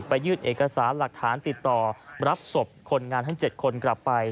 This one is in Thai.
ยื่นเอกสารหลักฐานติดต่อรับศพคนงานทั้ง๗คนกลับไป